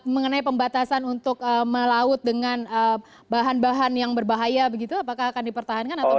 mengenai pembatasan untuk melaut dengan bahan bahan yang berbahaya begitu apakah akan dipertahankan atau bagaimana